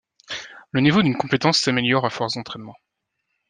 Le niveau d'une compétence s'améliore à force d'entrainement.